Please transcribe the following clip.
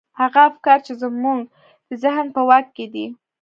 هغه افکار چې زموږ د ذهن په واک کې دي.